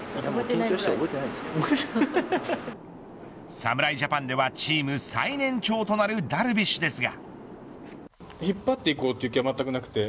侍ジャパンではチーム最年長となるダルビッシュですが。